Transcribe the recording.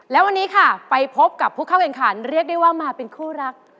แล้ววันนี้ค่ะไปพบกับผู้เข้าแข่งขันเรียกได้ว่ามาเป็นคู่รัก